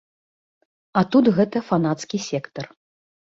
А тут гэта фанацкі сектар.